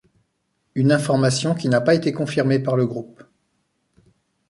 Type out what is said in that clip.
Une information qui n'a pas été confirmée par le groupe.